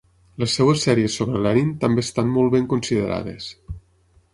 Les seves sèries sobre Lenin també estan molt ben considerades.